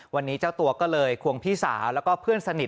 วันนี้เจ้าตัวก็เลยควงพี่สาวแล้วก็เพื่อนสนิท